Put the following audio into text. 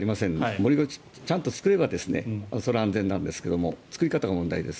盛り土、ちゃんと作れば安全なんですが作り方が問題です。